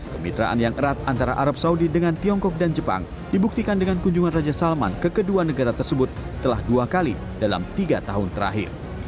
kemitraan yang erat antara arab saudi dengan tiongkok dan jepang dibuktikan dengan kunjungan raja salman ke kedua negara tersebut telah dua kali dalam tiga tahun terakhir